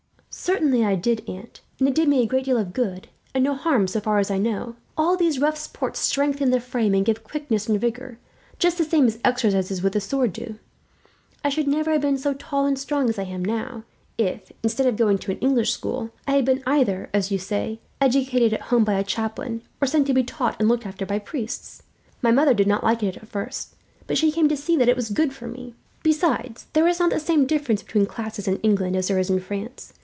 "Certainly I did, aunt, and it did me a great deal of good, and no harm so far as I know. All these rough sports strengthen the frame and give quickness and vigour, just the same as exercises with the sword do. I should never have been so tall and strong as I am now if, instead of going to an English school, I had been either, as you say, educated at home by a chaplain, or sent to be taught and looked after by priests. My mother did not like it at first, but she came to see that it was good for me. Besides, there is not the same difference between classes in England as there is in France.